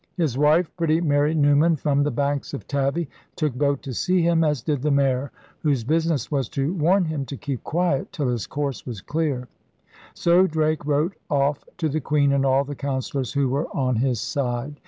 His wile, pretty Mary Newman from the banks of Taw, took boat to see him, as did the Mayor, whose business was to warn him to keep quiet till his course was clear. So Drake viTote off to the Queen and all the Councillors who v/ere on his side.